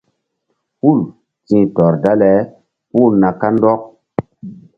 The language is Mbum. Hul ti̧h tɔr dale puh na kandɔk.